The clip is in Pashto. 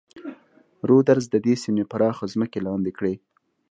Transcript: رودز د دې سیمې پراخه ځمکې لاندې کړې.